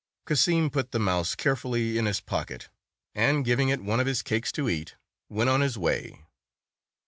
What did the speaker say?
Cassim put the mouse carefully in his pocket, and, giving it one of his cakes to eat, went on his way.